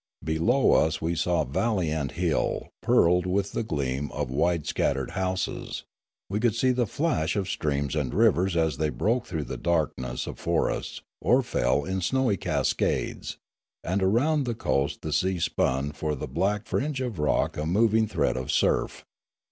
Be low us we saw valley and hill pearled with the gleam of wide scattered houses; we could see the flash of streams and rivers as they broke through the darkness of forests or fell in snowy cascades; and around the coast the sea spun for the black fringe of rock a mov ing thread of surf.